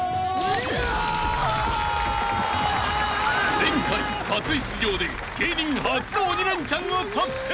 ［前回初出場で芸人初の鬼レンチャンを達成］